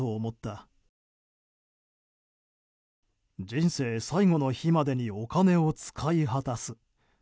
人生最後の日までにお金を使い果たす。